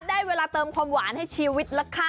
ได้เวลาเติมความหวานให้ชีวิตแล้วค่ะ